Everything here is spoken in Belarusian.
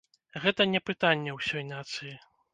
Гэта не пытанне ўсёй нацыі.